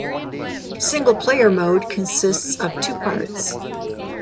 Single player mode consists of two parts.